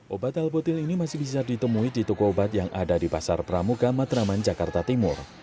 obat albutil ini masih bisa ditemui di toko obat yang ada di pasar pramuka matraman jakarta timur